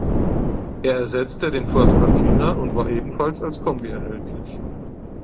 Er ersetzte den Ford Cortina und war ebenfalls als Kombi erhältlich.